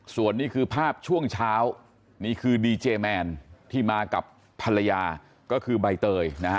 ส่วนนี้คือภาพช่วงเช้านี่คือดีเจแมนที่มากับภรรยาก็คือใบเตยนะฮะ